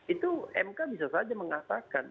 itu mk bisa saja mengatakan